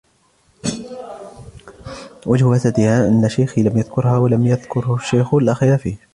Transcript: وَجْهُ فَسَادِهَا أَنَّ شَيْخِي لَمْ يَذْكُرْهَا وَمَا لَمْ يَذْكُرْهُ الشَّيْخُ لَا خَيْرَ فِيهِ